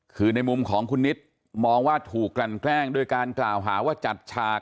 คือในมุมของคุณนิดมองว่าถูกกลั่นแกล้งด้วยการกล่าวหาว่าจัดฉาก